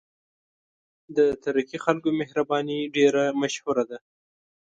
د ترکي خلکو مهرباني ډېره مشهوره ده.